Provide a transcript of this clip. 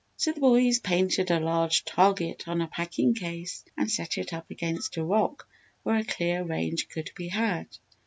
So, the boys painted a large target on a packing case and set it up against a rock where a clear range could be had.